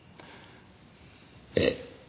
ええ。